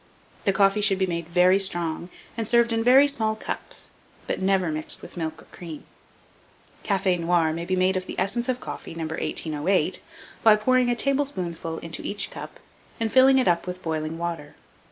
The coffee should be made very strong, and served in very small cups, but never mixed with milk or cream. Cafe noir may be made of the essence of coffee No. 1808, by pouring a tablespoonful into each cup, and filling it up with boiling water.